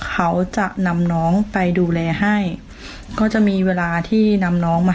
เขาจะนำน้องไปดูแลให้ก็จะมีเวลาที่นำน้องมา